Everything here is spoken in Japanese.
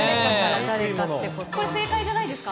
これ正解じゃないですか？